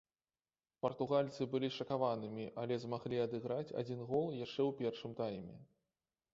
Партугальцы былі шакаванымі, але змаглі адыграць адзін гол яшчэ ў першым тайме.